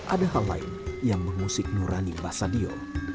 ada hal lain yang mengusik nurani bahasa dio